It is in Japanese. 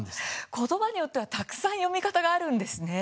言葉によってはたくさん読み方がありますね。